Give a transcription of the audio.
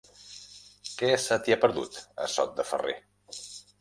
Què se t'hi ha perdut, a Sot de Ferrer?